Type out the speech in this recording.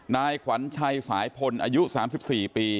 นายขวัญชัยสายพลอายุ๓๔ปี